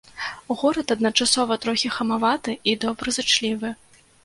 Горад адначасова трохі хамаваты і добразычлівы.